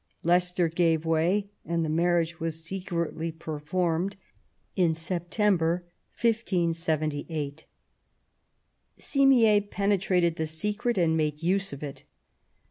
Leicester gave way, and the marriage was secretly performed in September, 1578. Simier penetrated the secret and made use of it.